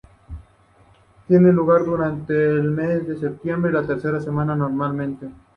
Tiene lugar durante el mes de septiembre, la tercera semana normalmente.